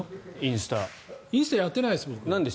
インスタやってないです。